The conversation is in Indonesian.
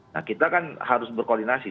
nah kita kan harus berkoordinasi